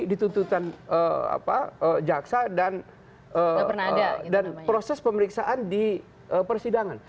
dituntutan jaksa dan proses pemeriksaan di persidangan